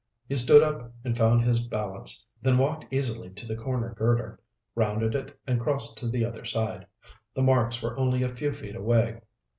He stood up and found his balance, then walked easily to the corner girder, rounded it and crossed to the other side. The marks were only a few feet away.